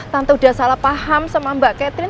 tante udah salah paham sama mbak catherine